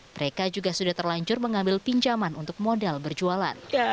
mereka juga sudah terlanjur mengambil pinjaman untuk modal berjualan